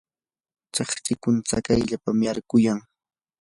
siksikuna tsakayllapam yarquyan.